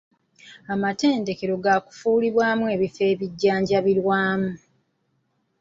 Amatendekero gaakufuulibwamu ebifo ebijjanjabirwamu.